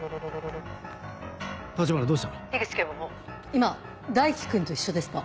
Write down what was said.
今大樹君と一緒ですか？